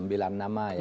sembilan nama ya